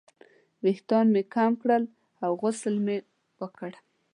ویښتان مې کم کړل او غسل مې وکړ.